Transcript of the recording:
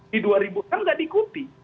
di dua ribu enam tidak diikuti